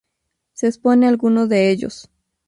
Se expone algunos de ellos.